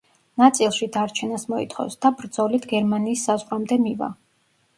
ნაწილში დარჩენას მოითხოვს და ბრძოლით გერმანიის საზღვრამდე მივა.